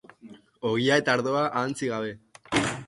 Ogia eta ardoa ahantzi gabe.